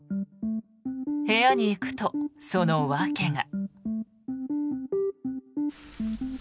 部屋に行くと、その訳が。